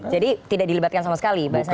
jadi tidak dilibatkan sama sekali bahasanya